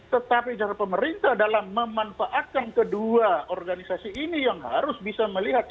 tetapi cara pemerintah dalam memanfaatkan kedua organisasi ini yang harus bisa melihat